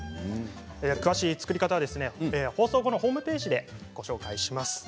詳しい作り方は放送後のホームページでご紹介します。